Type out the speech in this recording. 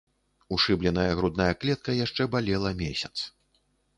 Ушыбленая грудная клетка яшчэ балела месяц.